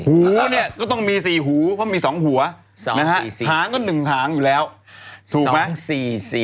หูเนี่ยก็ต้องมีสี่หูเพราะมีสองหัวสองสี่สิหางก็หนึ่งหางอยู่แล้วสองสี่สิ